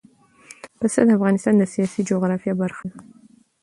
پسه د افغانستان د سیاسي جغرافیه برخه ده.